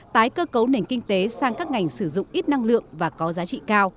tái cơ cấu nền kinh tế sang các ngành sử dụng ít năng lượng và có giá trị cao